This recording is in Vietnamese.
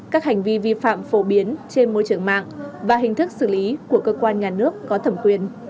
các hành vi vi phạm phổ biến trên môi trường mạng và hình thức xử lý của cơ quan nhà nước có thẩm quyền